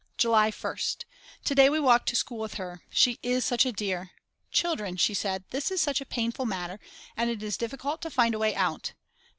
July 1st. To day we walked to school with her She is such a dear. Children, she said, this is such a painful matter, and it is difficult to find a way out.